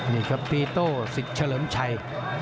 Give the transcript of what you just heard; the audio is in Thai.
นี่ครับพี่โต้ศิษย์เฉลิมชัย